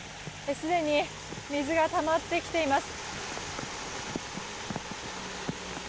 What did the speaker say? すでに水がたまってきています。